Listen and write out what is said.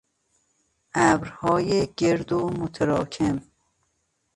ابرهای گرد و متراکم